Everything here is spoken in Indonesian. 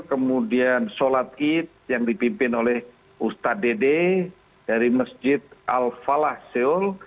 kemudian sholat id yang dipimpin oleh ustadz dede dari masjid al falah seoul